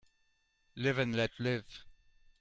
Live and let live.